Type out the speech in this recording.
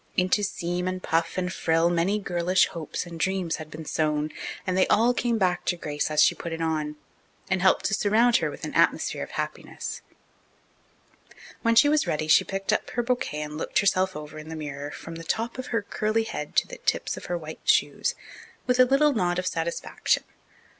Into seam and puff and frill many girlish hopes and dreams had been sewn, and they all came back to Grace as she put it on, and helped to surround her with an atmosphere of happiness. When she was ready she picked up her bouquet and looked herself over in the mirror, from the top of her curly head to the tips of her white shoes, with a little nod of satisfaction.